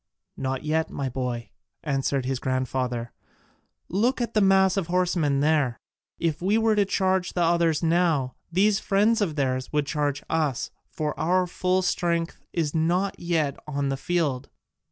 "Not yet, my boy," answered his grandfather, "look at the mass of horsemen there. If we were to charge the others now, these friends of theirs would charge us, for our full strength is not yet on the field."